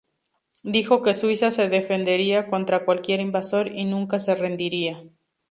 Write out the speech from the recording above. Dijo que Suiza se defendería contra cualquier invasor y "nunca se rendiría".